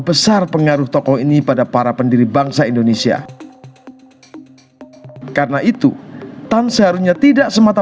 besar pengaruh tokoh ini pada para pendiri bangsa indonesia karena itu tan seharusnya tidak semata